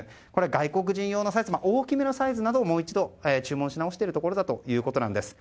外国人用の大きめのサイズなどをもう一度、注文し直しているところだということです。